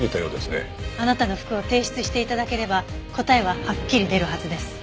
あなたの服を提出して頂ければ答えははっきり出るはずです。